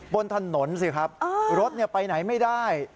บนถนนสิครับรถไปไหนไม่ได้